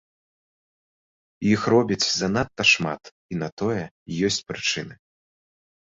Іх робяць занадта шмат, і на тое ёсць прычыны.